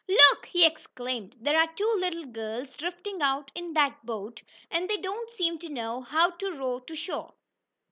"Look!" he exclaimed. "There are two little girls drifting out in that boat, and they don't seem to know how to row to shore."